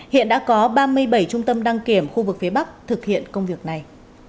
hiện đã có ba mươi bảy trung tâm đăng kiểm khu vực phía bắc thực hiện công việc này